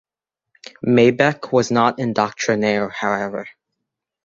Maybeck was not doctrinaire however.